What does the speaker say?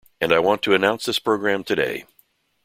And I want to announce this program today.